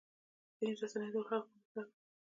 ځینې رسنۍ د خلکو ملاتړ کوي.